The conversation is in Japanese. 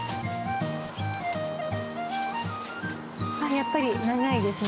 やっぱり長いですね。